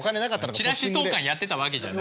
チラシ投かんやってたわけじゃない。